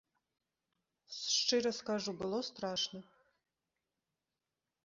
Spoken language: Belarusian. Шчыра скажу, было страшна.